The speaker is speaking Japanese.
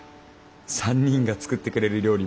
３人が作ってくれる料理